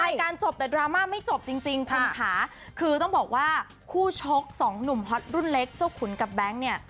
จบแต่ดราม่าไม่จบจริงจริงคุณค่ะคือต้องบอกว่าคู่ชกสองหนุ่มฮอตรุ่นเล็กเจ้าขุนกับแบงค์เนี่ย